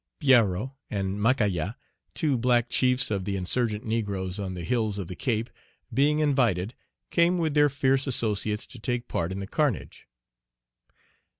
Pierrot and Macaya, two black chiefs of the insurgent negroes on the hills of the Cape, being invited, came with their fierce associates to take part in the carnage.